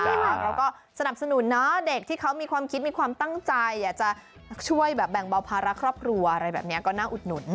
ใช่ค่ะเขาก็สนับสนุนเนาะเด็กที่เขามีความคิดมีความตั้งใจอยากจะช่วยแบบแบ่งเบาภาระครอบครัวอะไรแบบนี้ก็น่าอุดหนุน